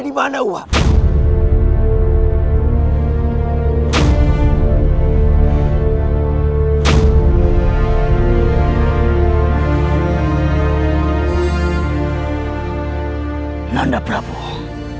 dan eandah prabowo